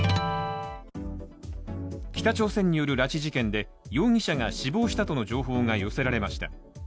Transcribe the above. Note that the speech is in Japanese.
北朝鮮による拉致事件で、容疑者が死亡したとの情報が寄せられました。